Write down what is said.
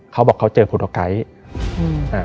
เขาบอกเขาเจอโพโตไกรต์